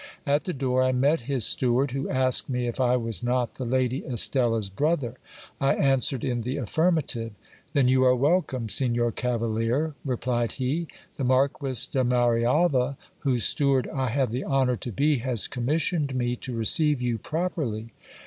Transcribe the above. At the door I met his steward, who asked me if I was not the lady Estella's brother. I answered in the affirmative. Then you are wel come, Signor cavalier, replied he. The Marquis de Marialva, whose steward I have the honour to be, has commissioned me to receive you properly.